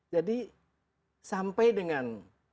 jadi sampai dengan